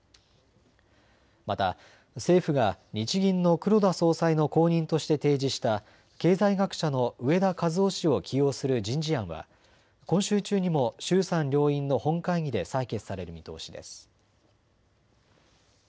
また政府が日銀の黒田総裁の後任として提示した経済学者の植田和男氏を起用する人事案は今週中にも衆参両院の本会議で採決される見通しです。